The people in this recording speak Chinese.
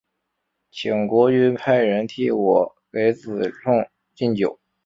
请国君派人替我给子重进酒。